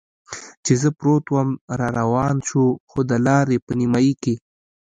چې زه پروت ووم را روان شو، خو د لارې په نیمایي کې.